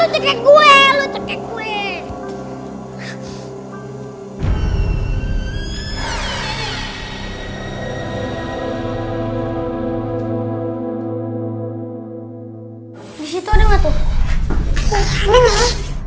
terus gimana nih